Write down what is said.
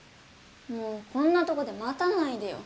もうこんなとこで待たないでよ